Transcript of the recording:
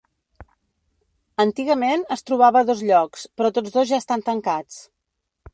Antigament es trobava a dos llocs, però tots dos ja estan tancats.